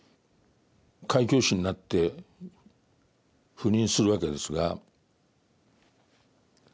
開教師になって赴任するわけですが。